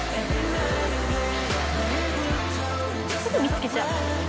すぐ見つけちゃう。